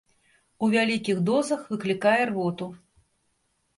У вялікіх дозах выклікае рвоту.